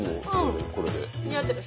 これで。